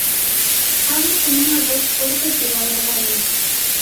Habla con una voz fuerte pero agradable.